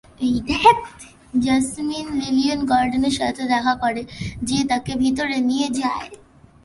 Jasmine Lillian গর্ডনের সাথে দেখা করে, যে তাকে ভিতরে নিয়ে যায়।